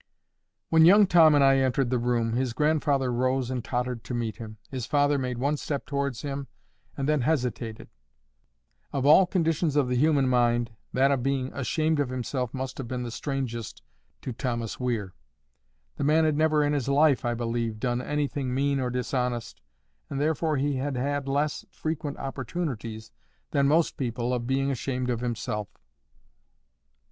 When young Tom and I entered the room, his grandfather rose and tottered to meet him. His father made one step towards him and then hesitated. Of all conditions of the human mind, that of being ashamed of himself must have been the strangest to Thomas Weir. The man had never in his life, I believe, done anything mean or dishonest, and therefore he had had less frequent opportunities than most people of being ashamed of himself.